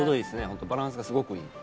ホントバランスがすごくいい。